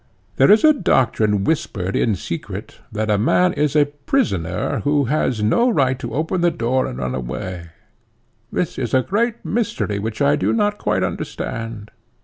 There is a doctrine whispered in secret that man is a prisoner who has no right to open the door and run away; this is a great mystery which I do not quite understand.